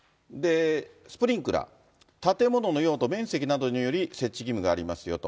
スプリンクラー、建物の用途、面積などにより、設置義務がありますよと。